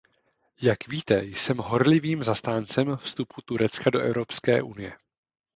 Jak víte, jsem horlivým zastáncem vstupu Turecka do Evropské unie.